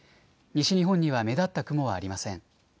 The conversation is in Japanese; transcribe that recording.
西日本には目立った雲はありません。